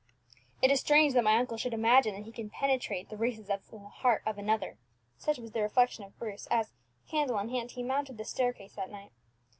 "It is strange that my uncle should imagine that he can penetrate the recesses of the heart of another," such was the reflection of Bruce, as, candle in hand, he mounted the staircase that night.